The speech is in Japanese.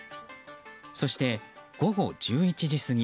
そして、午後１１時過ぎ。